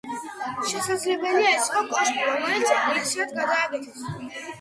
შესაძლებელია ეს იყო კოშკი, რომელიც ეკლესიად გადააკეთეს.